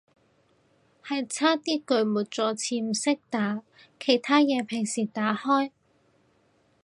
係差啲句末助詞唔識打，其他嘢平時打開